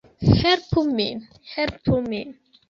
Helpu min! Helpu min!